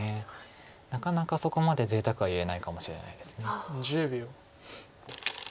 なかなかそこまでぜいたくは言えないかもしれないです。